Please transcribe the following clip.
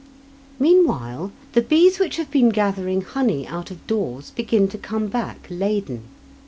Meanwhile the bees which have been gathering honey out of doors begin to come back laden.